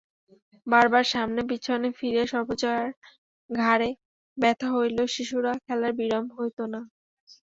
বার বার সামনে পিছনে ফিরিয়া সর্বজয়ার ঘাড়ে ব্যথা হইলেও শিশুর খেলার বিরাম হইত না।